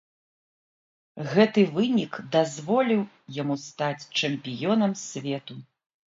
Гэты вынік дазволіў яму стаць чэмпіёнам свету.